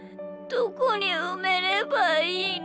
どこにうめればいいの？